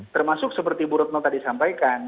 termasuk seperti bu retno tadi sampaikan